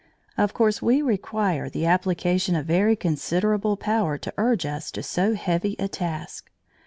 Of course we require the application of very considerable power to urge us to so heavy a task.